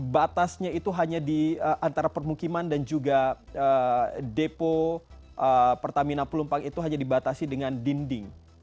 batasnya itu hanya di antara permukiman dan juga depo pertamina pelumpang itu hanya dibatasi dengan dinding